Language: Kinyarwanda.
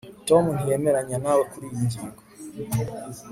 Tom ntiyemeranya nawe kuriyi ngingo